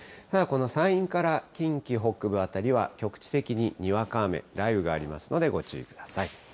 ただこの山陰から近畿北部辺りは局地的ににわか雨、雷雨がありますので、ご注意ください。